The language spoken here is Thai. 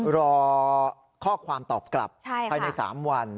รอข้อความตอบกลับภายใน๓วัน